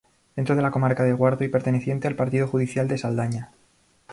Dentro de la comarca de Guardo y perteneciente al Partido Judicial de Saldaña.